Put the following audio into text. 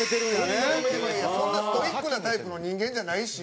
そんなストイックなタイプの人間じゃないし。